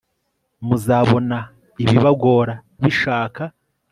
muzabona ibibagora bishaka